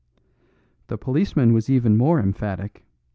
The policeman was even more emphatic.